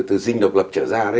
từ sinh độc lập trở ra